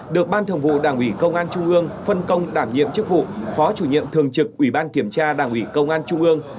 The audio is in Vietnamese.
được ban thường vụ đảng ủy công an trung ương phân công đảm nhiệm chức vụ phó chủ nhiệm thường trực ủy ban kiểm tra đảng ủy công an trung ương